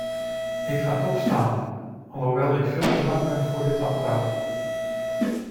Ik ga toch staan, alhoewel ik veel te lang ben voor dit apparaat.